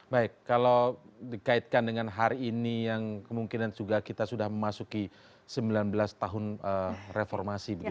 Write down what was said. baik kalau dikaitkan dengan hari ini yang kemungkinan juga kita sudah memasuki sembilan belas tahun reformasi